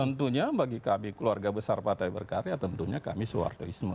tentunya bagi kami keluarga besar partai berkarya tentunya kami soehartoisme